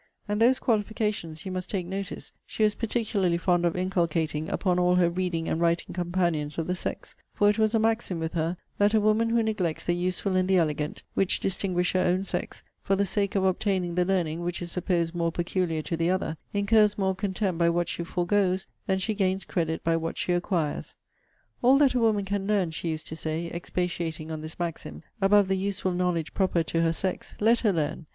And those qualifications, you must take notice, she was particularly fond of inculcating upon all her reading and writing companions of the sex: for it was a maxim with her, 'That a woman who neglects the useful and the elegant, which distinguish her own sex, for the sake of obtaining the learning which is supposed more peculiar to the other, incurs more contempt by what she foregoes, than she gains credit by what she acquires.' 'All that a woman can learn,' she used to say, [expatiating on this maxim,] 'above the useful knowledge proper to her sex, let her learn.